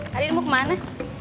kalian mau ke mana